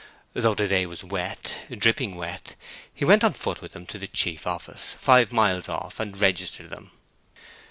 Though the day was wet, dripping wet, he went on foot with them to a chief office, five miles off, and registered them.